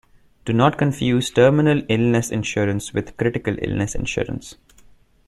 Do not confuse terminal illness insurance with critical illness insurance.